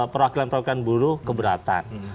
perwakilan perwakilan buruh keberatan